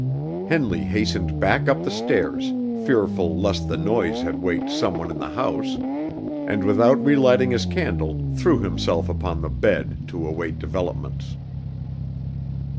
Henley hastened back up the stairs, fearful lest the noise had waked some one in the house, and without relighting his candle threw himself upon the bed to await developments.